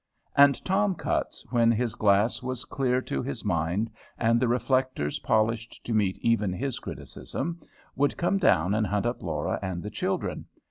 And Tom Cutts, when his glass was clear to his mind, and the reflectors polished to meet even his criticism, would come down and hunt up Laura and the children.